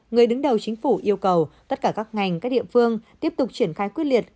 người đứng đầu chính phủ yêu cầu tất cả các ngành các địa phương tiếp tục triển khai quyết liệt